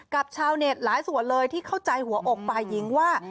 ชาวเน็ตหลายส่วนเลยที่เข้าใจหัวอกฝ่ายหญิงว่า